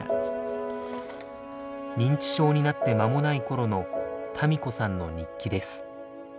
認知症になって間もない頃の多美子さんの日記です。